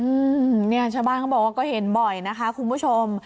อืมเนี่ยชาวบ้านเขาบอกว่าก็เห็นบ่อยนะคะคุณผู้ชม